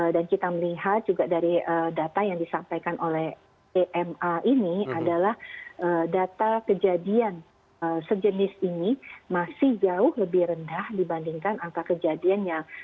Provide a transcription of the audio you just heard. kita melihat juga dari data yang disampaikan oleh ema ini adalah data kejadian sejenis ini masih jauh lebih rendah dibandingkan angka kejadian yang